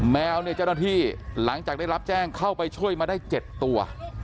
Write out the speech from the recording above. แมวเนี่ยเจ้าหน้าที่หลังจากได้รับแจ้งเข้าไปช่วยมาได้๗ตัว